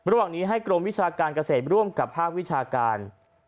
ระหว่างนี้ให้กรมวิชาการเกษตรร่วมกับภาควิชาการ